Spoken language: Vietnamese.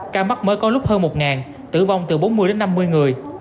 ca mắc mới có lúc hơn một tử vong từ bốn mươi đến năm mươi người